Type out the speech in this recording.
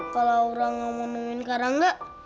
kak laura gak mau memimpin karangga